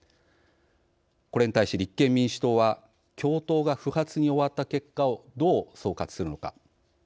これに対し立憲民主党は共闘が不発に終わった結果をどう総括するのか。